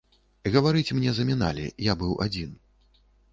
Гаварыць мне заміналі, я быў адзін.